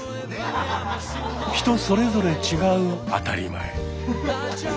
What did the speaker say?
人それぞれ違う「当たり前」。